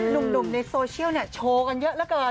นุ่มในโซเชียลเนี่ยโชว์กันเยอะแล้วเกิน